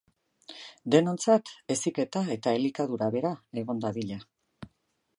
Denontzat heziketa eta elikadura bera egon dadila.